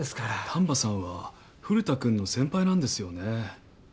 丹波さんは古田君の先輩なんですよね？